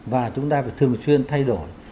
và chúng ta phải thường xuyên thay đổi